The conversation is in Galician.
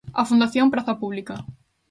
Á Fundación Praza Pública.